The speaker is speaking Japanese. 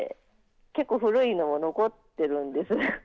結構、古いのが残っているんです。